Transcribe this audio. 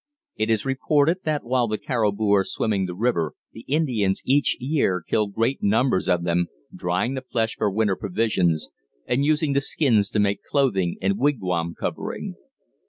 It is reported that while the caribou are swimming the river the Indians each year kill great numbers of them, drying the flesh for winter provisions and using the skins to make clothing and wigwam covering.